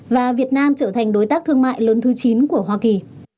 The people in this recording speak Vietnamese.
và việt nam trở thành đối tác thương mại lớn thứ chín của hoa kỳ